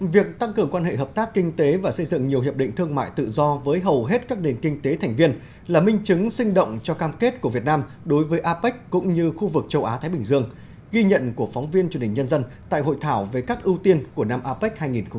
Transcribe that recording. việc tăng cường quan hệ hợp tác kinh tế và xây dựng nhiều hiệp định thương mại tự do với hầu hết các nền kinh tế thành viên là minh chứng sinh động cho cam kết của việt nam đối với apec cũng như khu vực châu á thái bình dương ghi nhận của phóng viên truyền hình nhân dân tại hội thảo về các ưu tiên của năm apec hai nghìn hai mươi